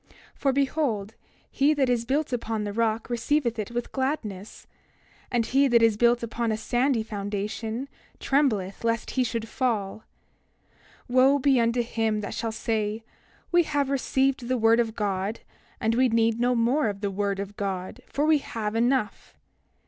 For behold, he that is built upon the rock receiveth it with gladness; and he that is built upon a sandy foundation trembleth lest he shall fall. 28:29 Wo be unto him that shall say: We have received the word of God, and we need no more of the word of God, for we have enough!